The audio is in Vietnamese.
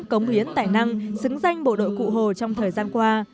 cống hiến tài năng xứng danh bộ đội cụ hồ trong thời gian qua